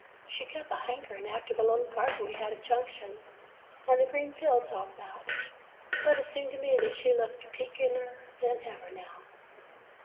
She kept a hankering after the little garden we had at Junction, and the green fields all about. But it seemed to me that she looked peekeder than ever now.